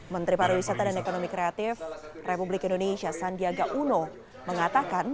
menteri pariwisata dan ekonomi kreatif republik indonesia sandiaga uno mengatakan